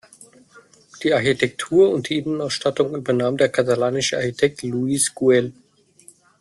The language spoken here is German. Die Architektur und die Innenausstattung übernahm der katalanische Architekt Lluis Güell.